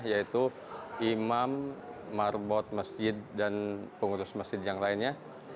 yaitu imam marbot masjid dan pengurus masjid yang lainnya